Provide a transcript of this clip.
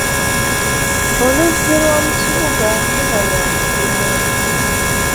Oluzzi lwo mu kibuga luba lwa muddumu .